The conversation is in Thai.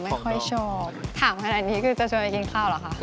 ไม่ค่อยชอบถามขนาดนี้คือจะชวนไปกินข้าวเหรอคะ